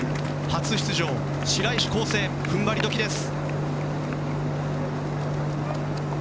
初出場、白石光星踏ん張り時です。